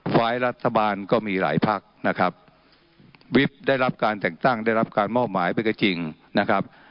ฝ่ายรัฐบาลก็มีหลายพักนะครับวิบได้รับการแต่งตั้งได้รับการมอบหมายไปก็จริงนะครับ